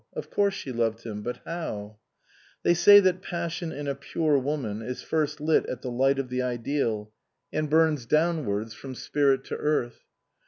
Of course she loved him; but how? They say that passion in a pure woman is first lit at the light of the ideal, and burns downwards 189 THE COSMOPOLITAN from spirit to earth.